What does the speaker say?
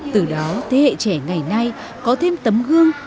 từ đó thế hệ trẻ ngày nay có thêm tấm gương